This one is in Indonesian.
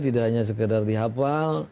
tidak hanya sekedar dihafal